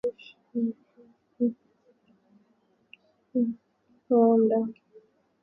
John Muhindi Uwajeneza, wote kutoka kikosi cha sitini na tano cha jeshi la Rwanda